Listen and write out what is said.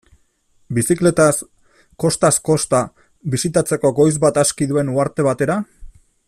Bizikletaz kostaz-kosta bisitatzeko goiz bat aski duen uharte batera?